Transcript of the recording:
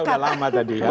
kita sudah sepakat